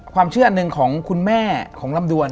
ความเชื่ออันหนึ่งของคุณแม่ของลำดวน